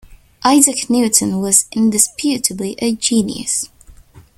Isaac Newton was indisputably a genius.